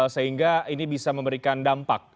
sehingga ini bisa memberikan dampak